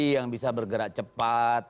yang bisa bergerak cepat